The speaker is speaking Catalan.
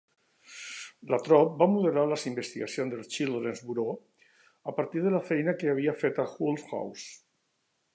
Lathrop va modelar les investigacions de "Children's Bureau" a partir de la feina que havia fet a Hull-House.